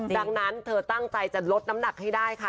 ดังนั้นเธอตั้งใจจะลดน้ำหนักให้ได้ค่ะ